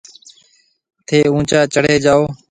ٿَي اُونچا چڙهي جاو۔